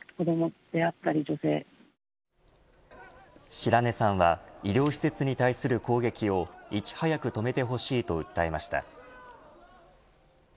白根さんは医療施設に対する攻撃をいち早く止めてほしいと訴えました。